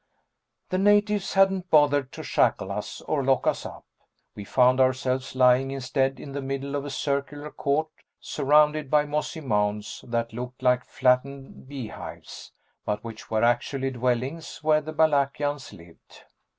The natives hadn't bothered to shackle us or lock us up. We found ourselves lying instead in the middle of a circular court surrounded by mossy mounds that looked like flattened beehives, but which were actually dwellings where the Balakians lived.